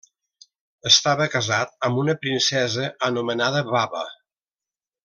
Estava casat amb una princesa anomenada Baba.